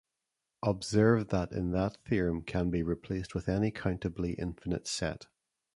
Observe that in that theorem can be replaced with any countably infinite set.